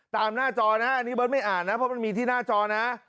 หน้าจอนะอันนี้เบิร์ตไม่อ่านนะเพราะมันมีที่หน้าจอนะ